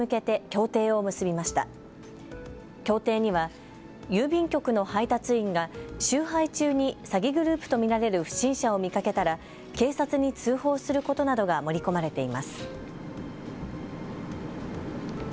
協定には郵便局の配達員が集配中に詐欺グループと見られる不審者を見かけたら警察に通報することなどが盛り込まれています。